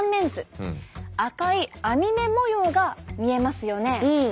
赤い編み目模様が見えますよね。